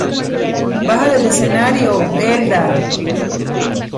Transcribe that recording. ¡Baja del escenario, Elda!